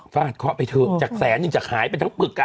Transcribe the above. าดเคาะไปเถอะจากแสนนึงจากหายไปทั้งปึก